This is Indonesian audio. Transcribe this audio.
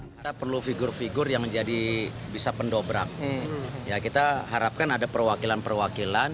kita perlu figur figur yang menjadi bisa pendobrak ya kita harapkan ada perwakilan perwakilan